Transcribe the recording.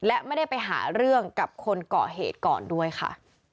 และไม่ได้ไปหาเรื่องกับคนเกาะเหตุก่อนด้วยค่ะ